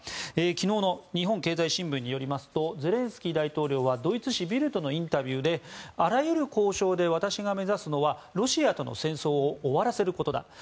昨日の日本経済新聞によりますとゼレンスキー大統領はドイツ紙ビルトのインタビューであらゆる交渉で私が目指すのはロシアとの戦争を終わらせることだ。